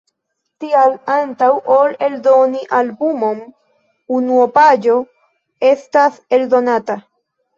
Tial, antaŭ ol eldoni albumon, unuopaĵo estas eldonata.